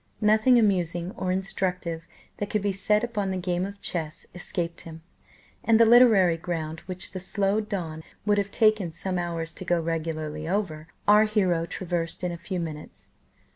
Nothing amusing or instructive that could be said upon the game of chess escaped him, and the literary ground, which the slow Don would have taken some hours to go regularly over, our hero traversed in a few minutes.